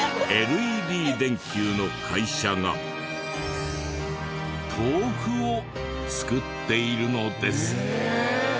ＬＥＤ電球の会社が豆腐を作っているのです。